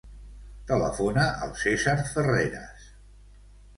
Telefona al Cèsar Ferreres.